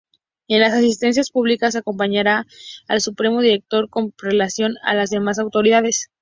En las asistencias públicas acompañará al Supremo Director con prelación a las demás autoridades.